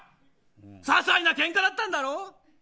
ささいなけんかだったんだろ。